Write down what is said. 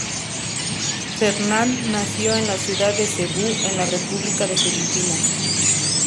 Fernán nació en la ciudad de Cebú en la República de Filipinas.